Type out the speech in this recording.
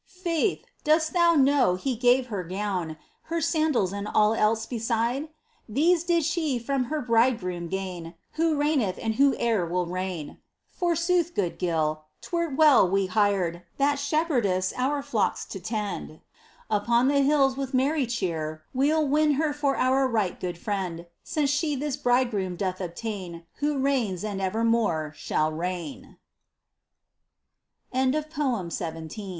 Faith ! dost thou know He gave her gown. Her sandals and all else beside ? These did she from her Bridegroom gain Who reigneth and Who e'er will reign ! Forsooth, good Gil, 'twere well we hired That shepherdess our flocks to tend ; POEMS. 33 Upon the hills, with merry cheer, We'll win her for our right good friend. Since she this Bridegroom doth obtain Who reigns and evermore shall reign ! Poem i8.